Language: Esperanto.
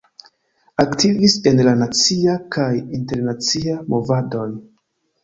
Aktivis en la nacia kaj internacia movadoj.